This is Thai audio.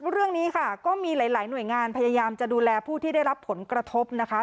เรื่องนี้ค่ะก็มีหลายหน่วยงานพยายามจะดูแลผู้ที่ได้รับผลกระทบนะคะ